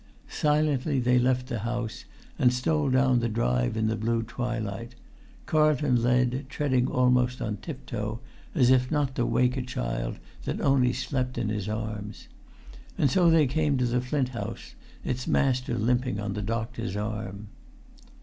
Silently they left the house, and stole down the drive in the blue twilight. Carlton led, treading almost on tip toe, as if not to wake a child that only slept in his arms. And so they came to the Flint House, its master limping on the doctor's arm.